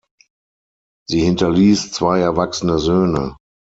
Sie hinterließ zwei erwachsene Söhne.